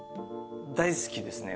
大好きですね